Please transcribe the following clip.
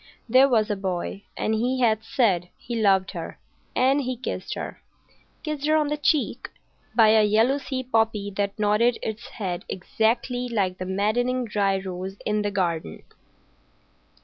There was a boy, and he had said he loved her. And he kissed her,—kissed her on the cheek,—by a yellow sea poppy that nodded its head exactly like the maddening dry rose in the garden.